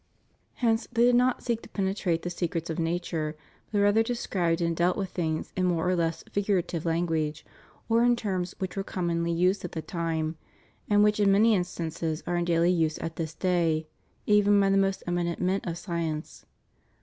' Hence they did not seek to penetrate the secrets of nature, but rather described and dealt with things in more or less figurative language, or in terms which were commonly used at the time, and which in many instances are in daily use at this day, even by the most eminent men of science.